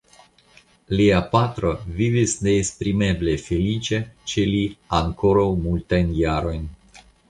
Lia patro vivis neesprimeble feliĉa ĉe li ankoraŭ multajn jarojn.